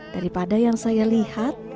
daripada yang saya lihat